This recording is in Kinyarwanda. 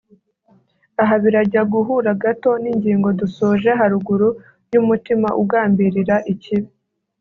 Aha birajya guhura gato n’ingingo dusoje haruguru y’umutima ugambirira ikibi